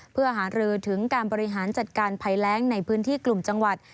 เพื่อหารือถึงการบริหารจัดการภัยแรงในพื้นที่กลุ่มจังหวัด